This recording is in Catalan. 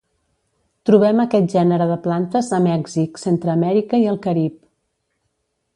Trobem aquest gènere de plantes a Mèxic, Centreamèrica i el Carib.